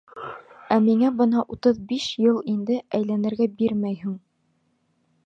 Ә миңә бына утыҙ биш йыл инде әйләнергә бирмәйһең!